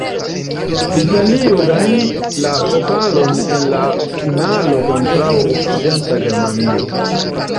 Italio gajnis la pokalon en la finalo kontraŭ Okcidenta Germanio.